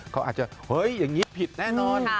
เขาอาจจะเฮ้ยอย่างนี้ผิดแน่นอน